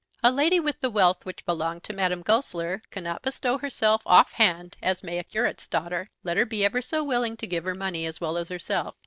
A lady with the wealth which belonged to Madame Goesler cannot bestow herself off hand as may a curate's daughter, let her be ever so willing to give her money as well as herself.